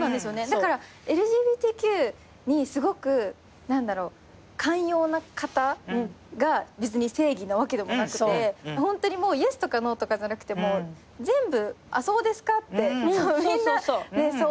だからＬＧＢＴＱにすごく寛容な方が別に正義なわけでもなくてイエスとかノーとかじゃなくて全部あっそうですかってみんなでそう思えたらな。